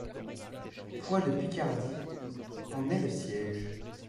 Poix-de-Picardie en est le siège.